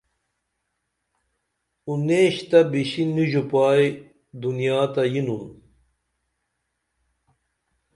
اُنیش تہ بِشی نی ژوپائی دنیا تہ یینُن